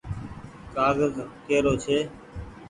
ڪآگز ڪي رو ڇي۔